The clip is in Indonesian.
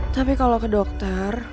tapi kalau ke dokter